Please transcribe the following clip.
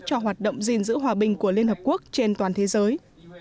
cho hoạt động gìn giữ hòa bình của liên hợp quốc trên toàn thế giới